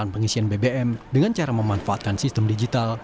dan pengisian bbm dengan cara memanfaatkan sistem digital